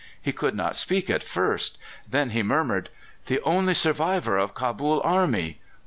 He could not speak at first. Then he murmured: 'The only survivor of Cabul army!